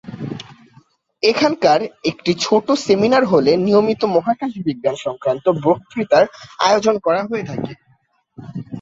এখানকার একটি ছোটো সেমিনার হলে নিয়মিত মহাকাশ বিজ্ঞান সংক্রান্ত বক্তৃতার আয়োজন করা হয়ে থাকে।